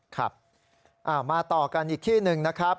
ครับมาต่อกันอีกที่หนึ่งนะครับ